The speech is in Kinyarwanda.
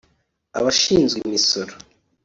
abashinzwe imisoro